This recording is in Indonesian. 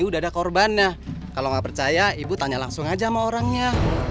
udah ada korbannya kalau nggak percaya ibu tanya langsung aja sama orangnya